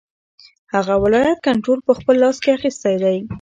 هغه ولایت کنټرول په خپل لاس کې اخیستی دی.